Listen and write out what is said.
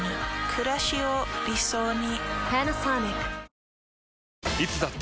くらしを理想に。